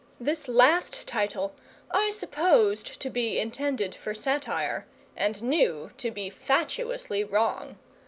This last title I supposed to be intended for satire, and knew to be fatuously wrong.